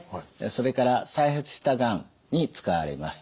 それから再発したがんに使われます。